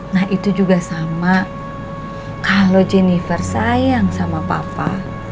nah itu juga sama kalau jennifer sayang sama papa